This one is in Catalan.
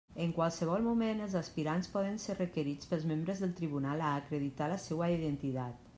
En qualsevol moment, els aspirants poden ser requerits pels membres del tribunal a acreditar la seua identitat.